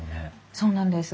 そうなんです。